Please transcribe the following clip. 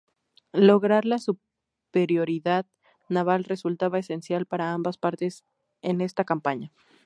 Lograr la superioridad naval resultaba esencial para ambas partes en esta campaña.